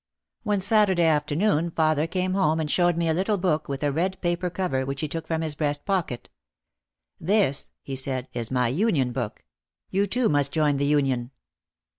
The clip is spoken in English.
One Saturday afternoon father came home and showed me a little book with a red paper cover which he took from his breast pocket. "This," he said, "is my union book. You too must join the union."